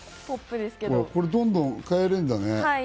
これどんどん変えられるんだね。